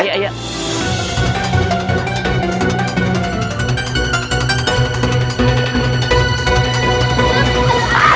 aduh eh eh eh